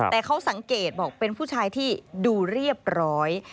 แต่เขาสังเกตบอกเป็นผู้ชายที่ดูเรียบร้อย